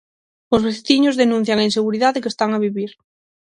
Os veciños denuncian a inseguridade que están a vivir.